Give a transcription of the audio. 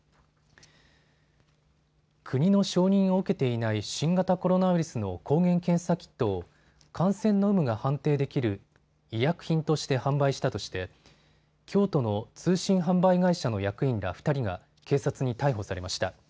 国の承認を受けていない新型コロナウイルスの抗原検査キットを感染の有無が判定できる医薬品として販売したとして京都の通信販売会社の役員ら２人が警察に逮捕されました。